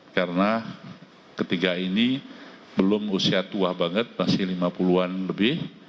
karena ketiga ini belum usia tua banget masih lima puluh an lebih